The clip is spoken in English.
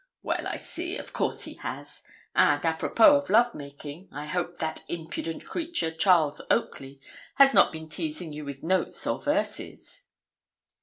Well, I see; of course he has. And apropos of love making, I hope that impudent creature, Charles Oakley, has not been teasing you with notes or verses.'